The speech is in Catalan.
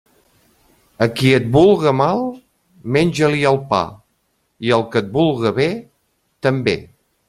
A qui et vulga mal, menja-li el pa, i al que et vulga bé, també.